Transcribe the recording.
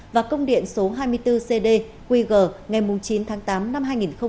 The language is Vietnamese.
và công điện số hai mươi bốn cd quy g ngày chín tháng tám năm hai nghìn hai mươi hai